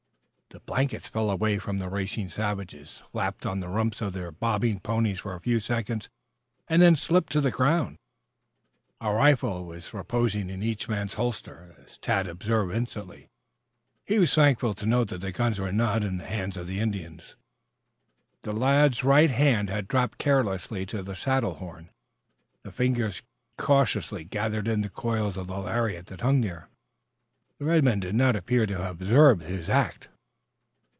The blankets fell away from the racing savages, flapped on the rumps of the bobbing ponies for a few seconds and then slipped to the ground. A rifle was reposing in each man's holster, as Tad observed instantly. He was thankful to note that the guns were not in the hands of the Indians. The lad's right hand had dropped carelessly to the saddle horn, the fingers cautiously gathering in the coils of the lariat that hung there. The red men did not appear to have observed his act.